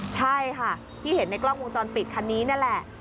ใช่ค่ะที่เห็นในกล้องวงจรปิดคันนี้นั่นแหละ